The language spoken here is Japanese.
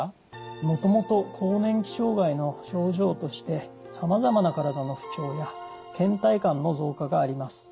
もともと更年期障害の症状としてさまざまな体の不調やけん怠感の増加があります。